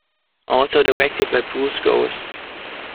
Also directed by Bruce Gowers.